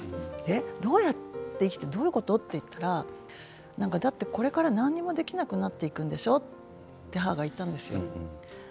どうやって生きていくどういうこと？と聞いたらだってこれから何もできなくなっていくんでしょう？と母が言ったんです。